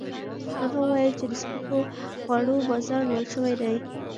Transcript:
هغه وویل چې د سپکو خوړو بازار لوی شوی دی.